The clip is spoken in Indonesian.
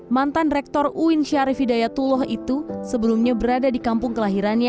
mantan rektor uin syarif hidayatullah itu sebelumnya berada di kampung kelahirannya